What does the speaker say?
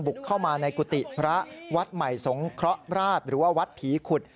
เข้ามาในกุฏิพระวัดใหม่สงเคราะห์ราชหรือว่าวัดผีขุด